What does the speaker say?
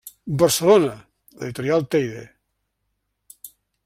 Barcelona, Editorial Teide.